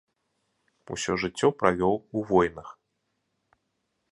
Усё жыццё правёў у войнах.